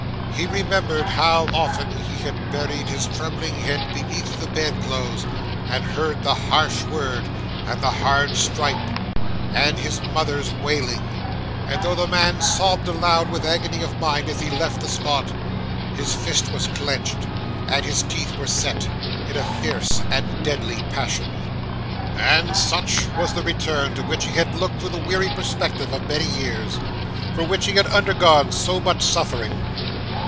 He remembered how often he had buried his trembling head beneath the bedclothes, and heard the harsh word, and the hard stripe, and his mother's wailing; and though the man sobbed aloud with agony of mind as he left the spot, his fist was clenched, and his teeth were set, in a fierce and deadly passion. 'And such was the return to which he had looked through the weary perspective of many years, and for which he had undergone so much suffering!